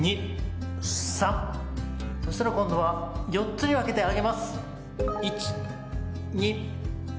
そしたら今度は４つに分けて上げます。